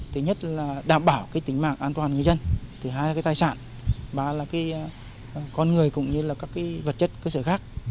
thứ nhất là đảm bảo tính mạng an toàn người dân thứ hai là tài sản ba là con người cũng như là các vật chất cơ sở khác